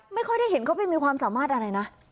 ไม่ค่อยได้เห็นเขาไปมีความสามารถอะไรนะ